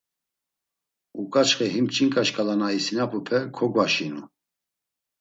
Uǩaçxe him ç̌inǩa şǩala na isinapupe kogvaşinu.